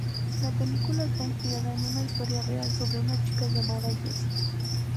La película está inspirada en una historia real, sobre una chica llamada Jessie.